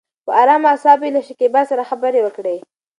په ارامه اصابو يې له شکيبا سره خبرې وکړې.